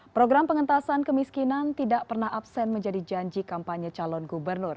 program pengentasan kemiskinan tidak pernah absen menjadi janji kampanye calon gubernur